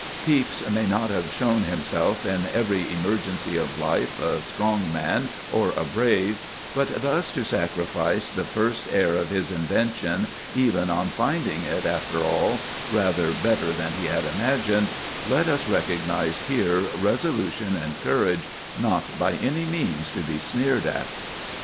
Pepys may not have shown himself in every emergency of life a strong man or a brave; but thus to sacrifice the first heir of his invention, even on finding it, after all, rather better than he had imagined—let us recognize here resolution and courage not by any means to be sneered at.